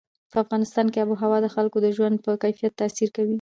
په افغانستان کې آب وهوا د خلکو د ژوند په کیفیت تاثیر کوي.